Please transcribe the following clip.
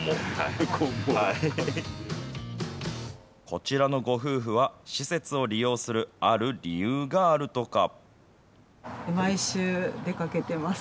こちらのご夫婦は、施設を利用するある理由があるとか。